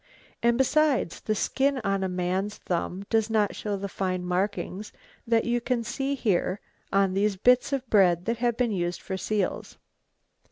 And besides, the skin on a man's thumb does not show the fine markings that you can see here on these bits of bread that have been used for seals."